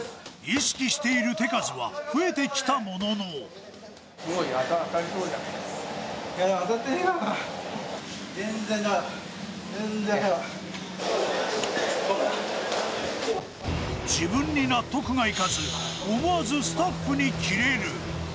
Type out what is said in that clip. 意識している手数は増えてきたものの自分に納得がいかず、思わずスタッフにキレる。